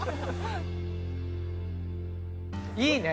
いいね。